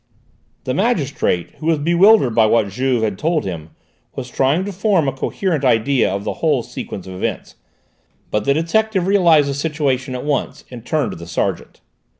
The magistrate, who was bewildered by what Juve had told him, was trying to form a coherent idea of the whole sequence of events, but the detective realised the situation at once, and turned to the sergeant.